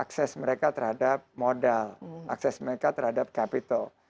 akses mereka terhadap modal akses mereka terhadap capital